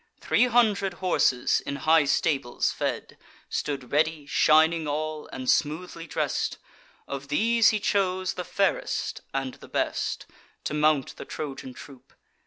Three hundred horses, in high stables fed, Stood ready, shining all, and smoothly dress'd: Of these he chose the fairest and the best, To mount the Trojan troop.